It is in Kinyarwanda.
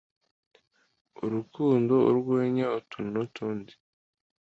urukundo urwenya utuntu n'utundi